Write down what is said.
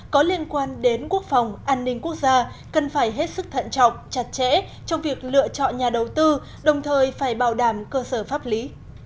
có liên quan đến quốc phòng an ninh quốc gia cần phải hết sức thận trọng chặt chẽ trong việc lựa chọn nhà đầu tư đồng thời phải bảo đảm cơ sở pháp lý